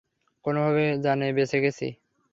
কোনভাবে জানে বেঁচে গেছি।